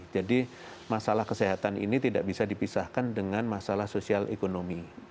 jadi masalah kesehatan ini tidak bisa dipisahkan dengan masalah sosial ekonomi